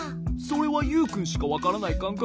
それはユウくんしかわからないかん